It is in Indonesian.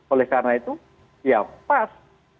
oleh karena itu ya pas